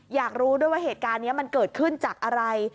อยากรู้ด้วยว่าเหตุการณ์นี้มันเกิดขึ้นจากอะไร